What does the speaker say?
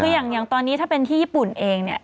คืออย่างตอนนี้ถ้าเป็นที่ญี่ปุ่นเองเนี่ย